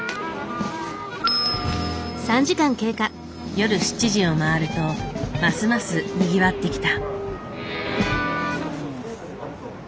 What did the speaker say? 夜７時を回るとますますにぎわってきた。